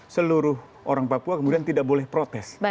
seluruh orang papua kemudian tidak boleh protes